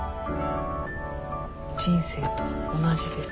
人生と同じです。